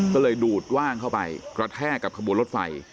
ก็เลยดูดว่างเข้าไปกระแทกกับขบวนรถไฟ